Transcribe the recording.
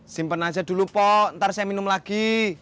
simpen aja dulu pok ntar saya minum lagi